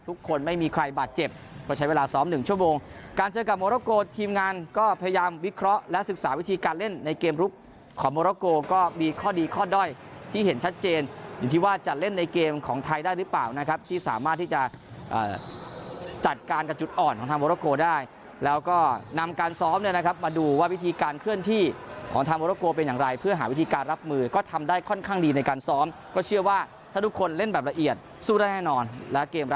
ทุกคนไม่มีใครบาดเจ็บก็ใช้เวลาซ้อมหนึ่งชั่วโมงการเจอกับมอรักโกทีมงานก็พยายามวิเคราะห์และศึกษาวิธีการเล่นในเกมรุกของมอรักโกก็มีข้อดีข้อด้อยที่เห็นชัดเจนอย่างที่ว่าจะเล่นในเกมของไทยได้หรือเปล่านะครับที่สามารถที่จะอ่าจัดการกับจุดอ่อนของทางมอรักโกได้แล้วก็นํ